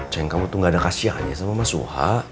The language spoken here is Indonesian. ceng kamu tuh gak ada kasihahnya sama ma suha